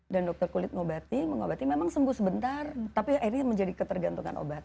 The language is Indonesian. dan dokter kulit mengobati memang sembuh sebentar tapi akhirnya menjadi ketergantungan obat